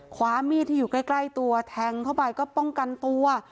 ความมีดที่อยู่ใกล้ตัวแทงเข้าไปก็ป้องกันตัว